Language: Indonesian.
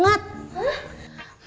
masa sih ma